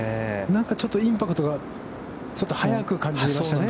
なんか、ちょっとインパクトがちょっと速く感じましたね。